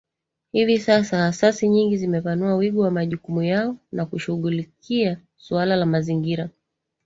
Hivi sasa asasi nyingi zimepanua wigo wa majukumu yao na kushughulikia suala la mazingira